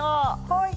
はい。